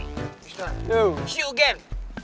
see you again